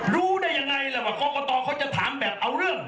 รู้ได้ยังไงล่ะว่ากรกตเขาจะถามแบบเอาเรื่อง